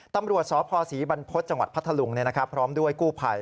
ตำรวจสพศรีบรรพฤษจังหวัดพัทธลุงพร้อมด้วยกู้ภัย